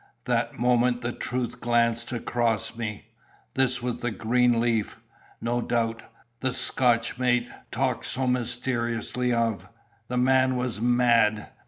That moment the truth glanced across me—this was the green leaf, no doubt, the Scotch mate talked so mysteriously of. The man was mad!